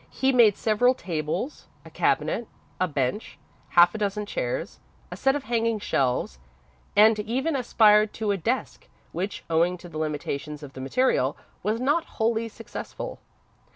He made several tables, a cabinet, a bench, half a dozen chairs, a set of hanging shelves, and even aspired to a desk, which, owing to the limitations of the material, was not wholly successful.